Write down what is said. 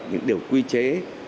những điều quy chế